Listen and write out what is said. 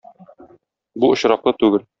Бу очраклы түгел.